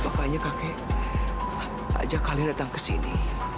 makanya kakek aja kalian datang ke sini